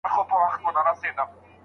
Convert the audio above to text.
زوی بازار ته روان دی.